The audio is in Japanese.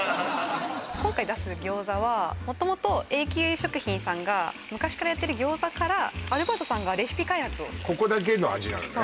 今回出す餃子は元々栄久食品さんが昔からやってる餃子からアルバートさんがレシピ開発をここだけの味なのね？